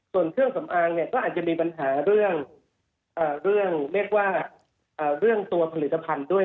ส่วนเครื่องสำอางก็อาจจะมีปัญหาเรื่องตัวผลิตภัณฑ์ด้วย